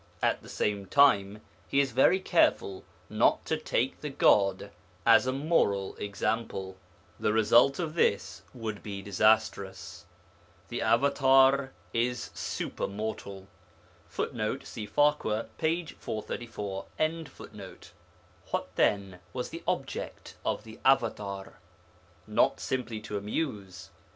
At the same time he is very careful not to take the God as a moral example; the result of this would be disastrous. The avatâr is super moral. [Footnote: See Farquhar, p. 434.] What, then, was the object of the avatâr? Not simply to amuse.